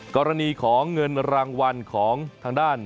กรณีของเงินรางวัลของทางด้าน